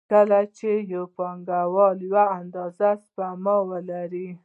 کله چې یو پانګوال یوه اندازه سپما ولري